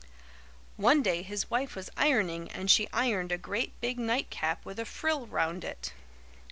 One day his wife was ironing and she ironed a great big nightcap with a frill round it.